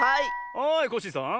はいコッシーさん。